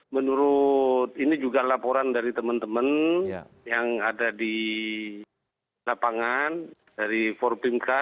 menurut ini juga laporan dari teman teman yang ada di lapangan dari forbimka